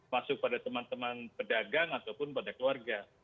masuk pada teman teman pedagang ataupun pada keluarga